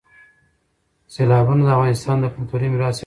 سیلابونه د افغانستان د کلتوري میراث یوه برخه ده.